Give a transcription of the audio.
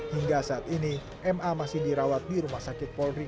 hingga saat ini ma masih dirawat di rumah sakit polri